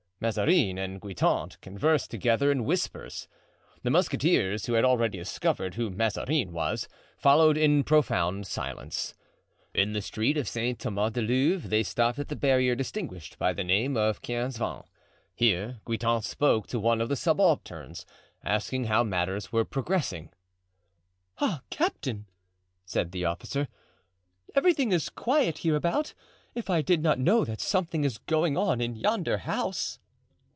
Mazarin and Guitant conversed together in whispers. The musketeers, who had already discovered who Mazarin was, followed in profound silence. In the street of Saint Thomas du Louvre they stopped at the barrier distinguished by the name of Quinze Vingts. Here Guitant spoke to one of the subalterns, asking how matters were progressing. "Ah, captain!" said the officer, "everything is quiet hereabout—if I did not know that something is going on in yonder house!"